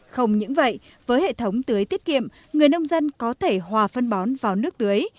không những vậy với hệ thống tưới tiết kiệm người nông dân có thể hòa phân bón vào nước tưới